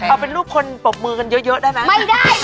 เอาเป็นรูปคนปรบมือกันเยอะได้ไหมไม่ได้